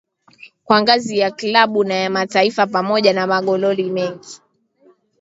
Kwa ngazi ya klabu na ya mataifa pamoja na magoli mengi